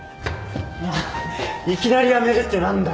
なあいきなり辞めるって何だよ